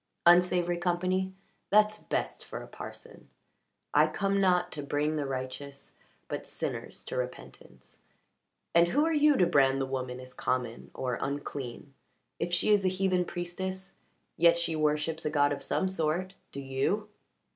"Unsavoury company? That's best for a parson. 'I come not to bring the righteous but sinners to repentance.' And who are you to brand the woman as common or unclean? If she is a heathen priestess, yet she worships a god of some sort. Do you?"